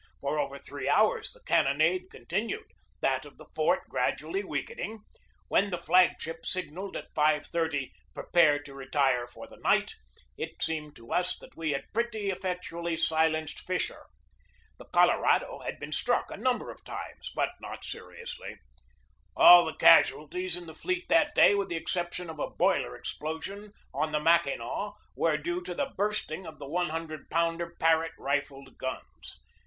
For over three hours the cannonade continued, that of the fort gradually weakening. When the flag ship signalled at 5.30, "Prepare to retire for the night," it seemed to us that we had pretty effectually silenced Fisher. The Colorado had been struck a number of times, but not I 3 o GEORGE DEWEY seriously. All the casualties in the fleet that day, with the exception of a boiler explosion on the Mack inaw, were due to the bursting of the loo pounder Parrot rifled guns.